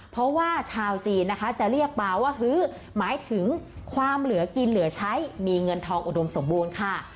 เพราะว่าชาวจีนนะคะจะเรียกปลาว่าฮือหมายถึงความเหลือกินเหลือใช้มีเงินทองอุดมสมบูรณ์ค่ะ